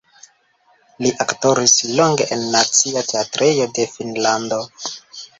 Li aktoris longe en nacia teatrejo de Finnlando.